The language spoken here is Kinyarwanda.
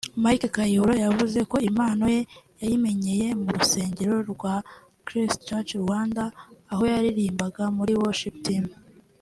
Mike Kayihura yavuze ko impano ye yayimenyeye mu rusengero rwa Christ Church Rwanda aho yaririmbaga muri Worship Team